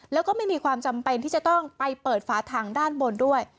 แล้วก็ไม่มีความจำเป็นที่จะต้องไปเปิดฝาทางด้านบนด้วย